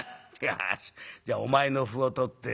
よしじゃあお前の歩を取って成り」。